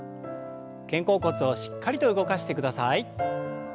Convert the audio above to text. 肩甲骨をしっかりと動かしてください。